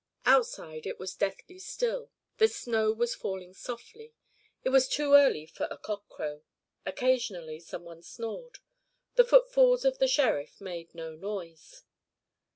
Outside it was deathly still. The snow was falling softly. It was too early for a cock crow. Occasionally some one snored. The footfalls of the sheriff made no noise.